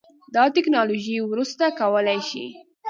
دا ټیکنالوژي وروسته کولی شي